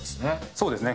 そうですね。